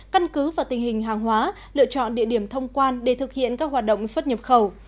căn cứ vào tình hình hàng hóa lựa chọn địa điểm thông quan để thực hiện các hoạt động xuất nhập khẩu